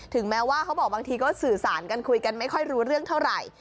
แม้ว่าเขาบอกบางทีก็สื่อสารกันคุยกันไม่ค่อยรู้เรื่องเท่าไหร่